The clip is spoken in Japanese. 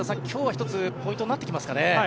今日は１つポイントになってきますかね。